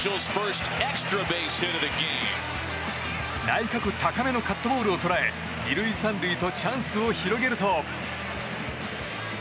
内角高めのカットボールを捉え２塁３塁とチャンスを広げると。